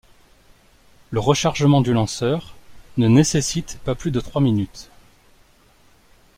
Le rechargement du lanceur ne nécessite pas plus de trois minutes.